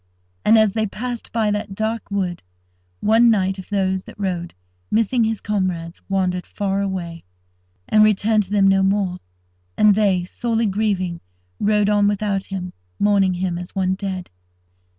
And, as they passed by that dark wood, one knight of those that rode, missing his comrades, wandered far away, and returned to them no more; and they, sorely grieving, rode on without him, mourning him as one dead.